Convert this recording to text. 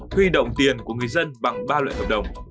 huy động tiền của người dân bằng ba loại hợp đồng